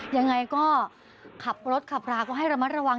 ยังไงก็ขับรถขับราก็ให้ระมัดระวัง